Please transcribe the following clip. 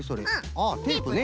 あテープね。